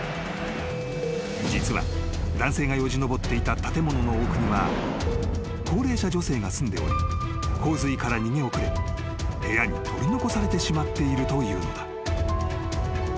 ［実は男性がよじ登っていた建物の奥には高齢者女性が住んでおり洪水から逃げ遅れ部屋に取り残されてしまっているというのだ］